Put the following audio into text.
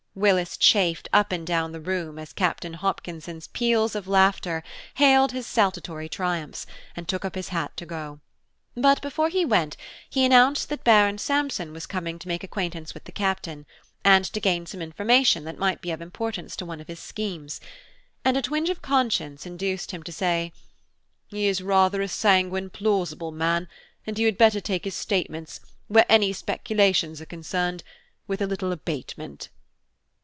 Willis chafed up and down the room as Captain Hopkinson's peals of laughter hailed his saltatory triumphs, and took up his hat to go. But before he went, he announced that Baron Sampson was coming to make acquaintance with the Captain, and to gain some information that might be of importance to one of his schemes; and a twinge of conscience induced him to add, "He is rather a sanguine plausible man, and you had better take his statements, where any speculations are concerned, with a little abatement."